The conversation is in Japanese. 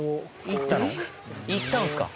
いったんすか？